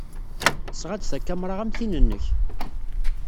Tesɣa-d takamra am tin-nnek.